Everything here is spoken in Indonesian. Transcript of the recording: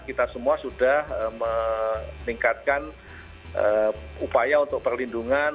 kita semua sudah meningkatkan upaya untuk perlindungan